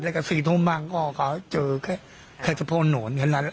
แล้วกับสี่ทุ่มบ้างก็เขาเหลือเจอแค่๙๑๑นั่น